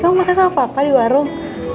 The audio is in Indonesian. kamu makan sama papa di warung